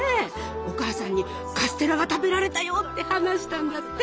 お母さんにカステラが食べられたよって話したんだって。